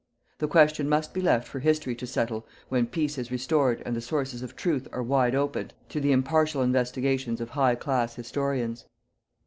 The question must be left for History to settle when peace is restored and the sources of truth are wide opened to the impartial investigations of high class historians.